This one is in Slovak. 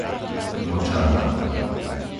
Močarmany